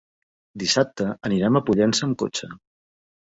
Dissabte anirem a Pollença amb cotxe.